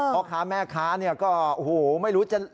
เพราะค้าแม่ค้าเนี่ยก็โหไม่รู้จะไม่รู้จะ